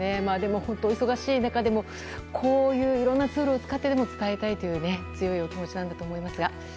でも本当にお忙しい中でもこういういろんなツールを使ってでも伝えたいという強いお気持ちだと思いますが。